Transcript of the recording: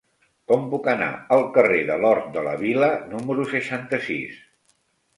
Com puc anar al carrer de l'Hort de la Vila número seixanta-sis?